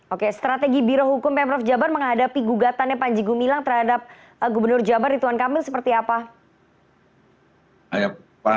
oke strategi birohukum pemprov jabar menghadapi gugatannya panji gumilang terhadap gubernur jabar rituan kamil seperti apa